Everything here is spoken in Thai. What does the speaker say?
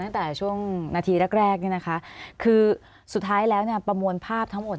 ตั้งแต่ช่วงนาทีแรกคือสุดท้ายแล้วประมวลภาพทั้งหมด